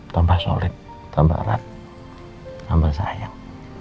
tambah solid tambah rak tambah sayang